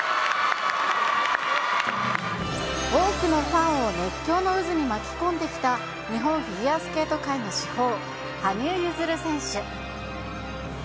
多くのファンを熱狂の渦に巻き込んできた、日本フィギュアスケート界の至宝、羽生結弦選手。